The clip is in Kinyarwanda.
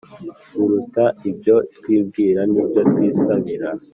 biruta ibyo twibwira n'ibyo twisabira.